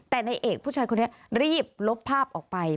แต่ในเอกผู้ชายคนนี้รีบลบภาพออกไป